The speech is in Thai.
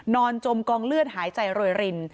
จมกองเลือดหายใจโรยริน